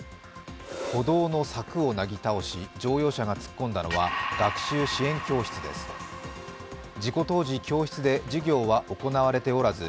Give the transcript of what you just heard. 歩道の柵をなぎ倒し、乗用車が突っ込んだのは学習支援教室です。